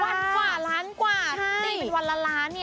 วันกว่าล้านกว่านี่เป็นวันละล้าน